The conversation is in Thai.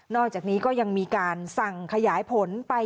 อกจากนี้ก็ยังมีการสั่งขยายผลไป